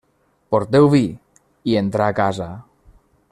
«Porteu vi!», i entrà a casa.